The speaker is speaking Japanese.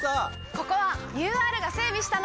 ここはＵＲが整備したの！